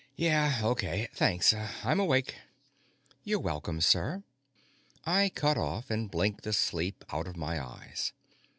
"Yah. O.K., thanks. I'm awake." "You're welcome, sir." I cut off and blinked the sleep out of my eyes.